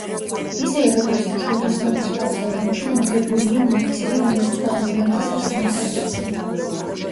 ისევე როგორც მშვილდოსნობის სხვა ფორმებში, მოგებულია მონაწილე, რომელიც ყველაზე მეტ ისარს მოახვედრებს მიზანს.